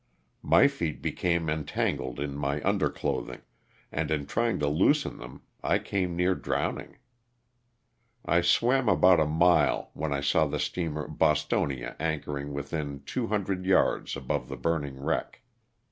My feet became entangled in my under clothing, and in trying to loosen them I came near drowning. I swam about a mile when I saw the steamer '* Bos tonia" anchoring within two hundred yards above the burning wreck.